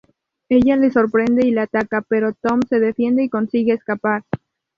Ella le sorprende y le ataca, pero Tom se defiende y consigue escapar.